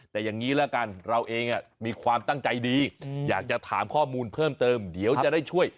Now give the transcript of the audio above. แต่อย่างนี้ละกันเราเองมีความตั้งใจดีอยากจะถามข้อมูลเพิ่มเติมเดี๋ยวจะได้ช่วย